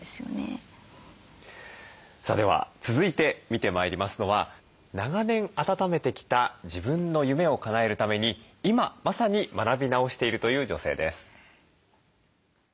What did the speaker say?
さあでは続いて見てまいりますのは長年あたためてきた自分の夢をかなえるために今まさに学び直しているという女性です。